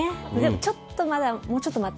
ちょっとまだ、もうちょっと待って。